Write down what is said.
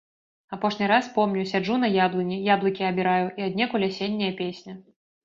Апошні раз помню сяджу на яблыні, яблыкі абіраю і аднекуль асенняя песня.